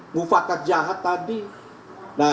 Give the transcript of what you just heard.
mufakat jahat tadi